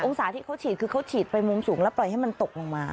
ศาที่เขาฉีดคือเขาฉีดไปมุมสูงแล้วปล่อยให้มันตกลงมา